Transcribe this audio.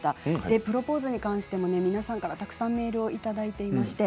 プロポーズに関しても皆さんにたくさんメールをいただいています。